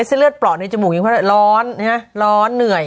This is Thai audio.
ไอ้เสิร์ตเลือดปลอดในจมูกยังไงร้อนร้อนเหนื่อย